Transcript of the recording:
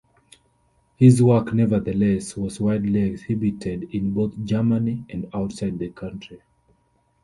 His work, nevertheless, was widely exhibited in both Germany and outside the country.